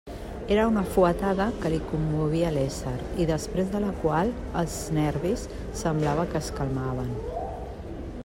Era una fuetada que li commovia l'ésser i després de la qual els nervis semblava que es calmaven.